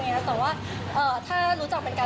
เหมือนพี่เขาบอกว่าเคยรู้จักใครคร่าว